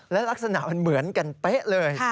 และลักษณะมันเหมือนกันเป๊ะเลย